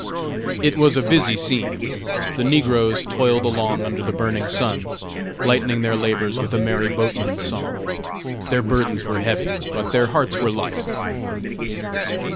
It was a busy scene: the negroes toiled along under the burning sun, lightening their labors with a merry boatman's song. Their burdens were heavy, but their hearts were light.